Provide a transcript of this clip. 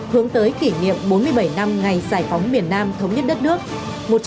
hướng tới kỷ niệm bốn mươi bảy năm ngày giải phóng miền nam thống nhất đất nước